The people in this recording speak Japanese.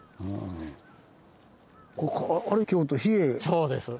そうです。